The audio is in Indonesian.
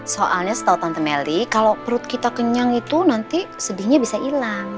soalnya setau tante melly kalau perut kita kenyang itu nanti sedihnya bisa hilang